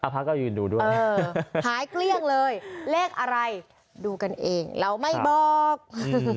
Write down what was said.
พระก็ยืนดูด้วยหายเกลี้ยงเลยเลขอะไรดูกันเองเราไม่บอก